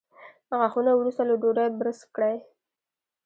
غاښونه وروسته له ډوډۍ برس کړئ